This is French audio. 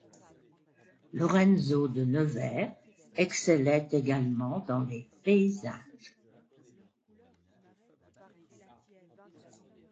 Lorenzo de Nevers excellait également dans les paysages.